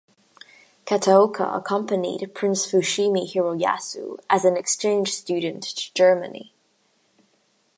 Kataoka, accompanied Prince Fushimi Hiroyasu as an exchange student to Germany.